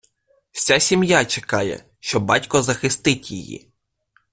Вся сім’я чекає, що батько захистить її.